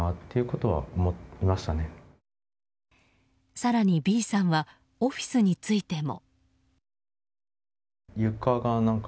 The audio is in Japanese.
更にＢさんはオフィスについても。